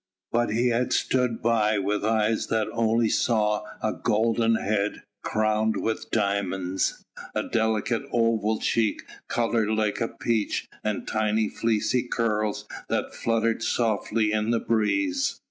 But he had stood by with eyes that only saw a golden head crowned with diamonds, a delicate oval cheek coloured like a peach and tiny fleecy curls that fluttered softly in the breeze.